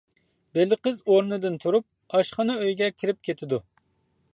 بېلىقىز ئورنىدىن تۇرۇپ ئاشخانا ئۆيگە كىرىپ كېتىدۇ.